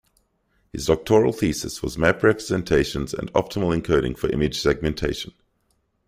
His doctoral thesis was "Map Representations and Optimal Encoding for Image Segmentation".